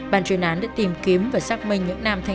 bàn truyền án đã tìm kiếm và xác minh những nam thân